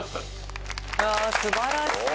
いや素晴らしい。